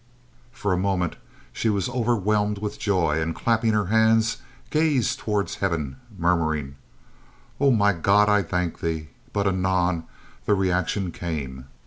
For a moment, she was overwhelmed with joy and, clapping her hands, gazed toward heaven, murmuring: "Oh my God, I thank thee!" but, anon, the reaction came.